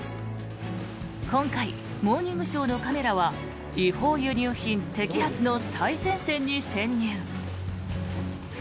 今回「モーニングショー」のカメラは違法輸入品摘発の最前線に潜入。